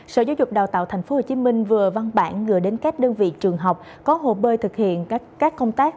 sở giáo dục đào tạo tp hcm vừa văn bản gửi đến các đơn vị trường học có hồ bơi thực hiện các công tác